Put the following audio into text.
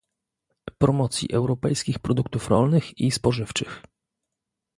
Promocji europejskich produktów rolnych i spożywczych